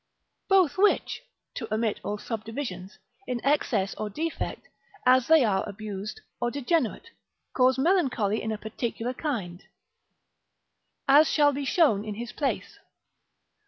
Both which (to omit all subdivisions) in excess or defect, as they are abused, or degenerate, cause melancholy in a particular kind, as shall be shown in his place.